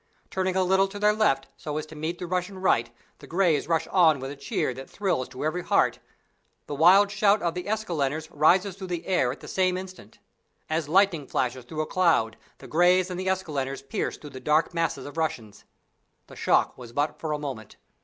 Turning a little to their left so as to meet the Russian right the Greys rush on with a cheer that thrills to every heart the wild shout of the Enniskilleners rises through the air at the same instant. As lightning flashes through a cloud the Greys and Enniskilleners pierced through the dark masses of Russians. The shock was but for a moment.